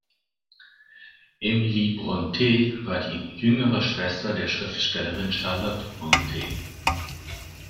Emily Brontë war die jüngere Schwester der Schriftstellerin Charlotte Brontë.